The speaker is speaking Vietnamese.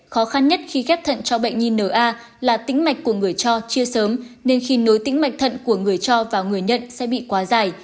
khó khăn nhất khi ghép thận cho bệnh nhi n a là tính mạch của người cho chia sớm nên khi nối tính mạch thận của người cho vào người nhận sẽ bị quá dài